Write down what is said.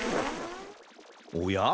おや？